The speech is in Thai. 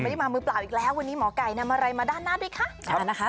ได้มามือเปล่าอีกแล้ววันนี้หมอไก่นำอะไรมาด้านหน้าด้วยคะนะคะ